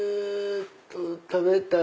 食べたい。